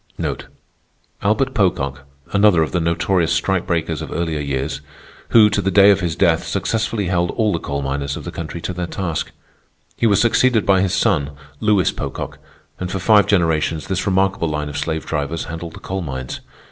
Albert Pocock, another of the notorious strike breakers of earlier years, who, to the day of his death, successfully held all the coal miners of the country to their task. He was succeeded by his son, Lewis Pocock, and for five generations this remarkable line of slave drivers handled the coal mines.